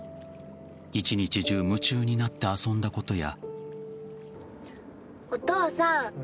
一日中夢中になって遊んだことや。